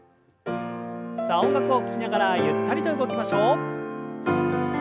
さあ音楽を聞きながらゆったりと動きましょう。